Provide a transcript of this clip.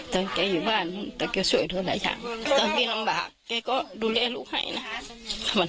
แต่แกอยู่บ้านแต่แกช่วยเท่าไหร่อย่าง